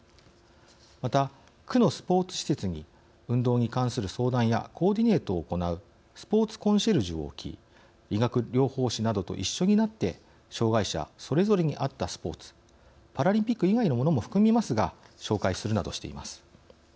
また、区のスポーツ施設に運動に関する相談やコーディネートを行うスポーツコンシェルジュを置き理学療法士などと一緒になって障害者それぞれに合ったスポーツパラリンピック以外のものも含みますが紹介するなどしています。